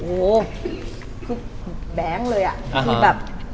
โอ้คือแบลงเลยอะ